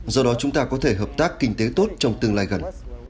do đó chúng ta có thể hợp tác kinh tế tốt trong tương lai gần